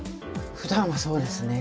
ふだんはそうですね。